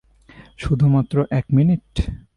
শুধু মাত্র এক মিনিট?